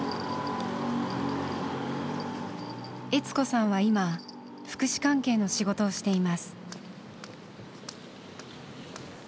悦子さんは今福祉関係の仕事をしています。